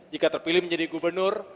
jika terpilih menjadi gubernur